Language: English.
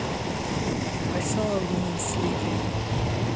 I saw a woman sleeping.